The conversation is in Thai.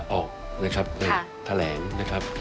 ก็ยังทำอยู่นะวันนี้ก็ยังต้องไปออกทะแหลงนะครับ